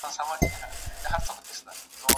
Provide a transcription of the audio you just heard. د ځنګله په هغو نښترونو ودېدلای نه شي،